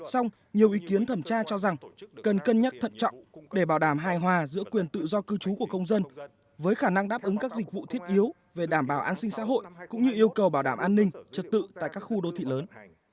sau nhiều ý kiến thẩm tra cho rằng cần cân nhắc thận trọng để bảo đảm hài hòa giữa quyền tự do cư trú của công dân với khả năng đáp ứng các dịch vụ thiết yếu về đảm bảo an sinh xã hội cũng như yêu cầu bảo đảm an ninh trật tự tại các khu đô thị lớn